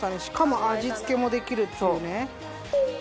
しかも味付けもできるっていうね。